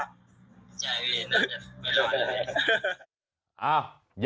ใช่พี่น่าจะไม่รู้เลย